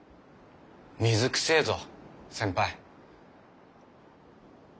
水くせえぞ先輩。